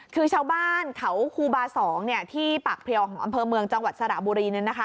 คือชาวบ้านเขาครูบา๒ที่ปากเพลียวของอำเภอเมืองจังหวัดสระบุรี